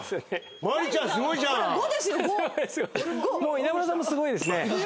稲村さんもすごいですね。